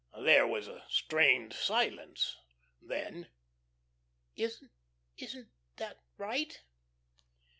There was a strained silence, then: "Isn't isn't that right?"